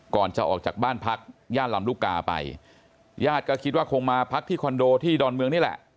ก่อนจะออกจากบ้านพักย่านลำลูกกาไปญาติก็คิดว่าคงมาพักที่คอนโดที่ดอนเมืองนี่แหละ